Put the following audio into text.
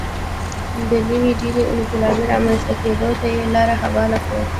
د نوې ډبرې انقلاب رامنځته کېدو ته یې لار هواره کړه.